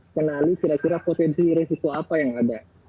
kenali kira kira potensi risiko apa yang ada